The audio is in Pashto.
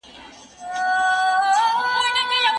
که د واجبو پر پرېښوولو وېره وي نو کوم عمل پرېښودل کیږي؟